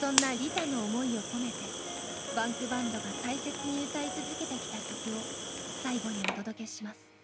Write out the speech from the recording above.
そんな利他の思いを込めてＢａｎｋＢａｎｄが大切に歌い続けてきた曲を最後にお届けします。